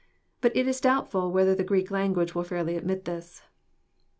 But it is doubtful whether the Greek language will fairly admit this.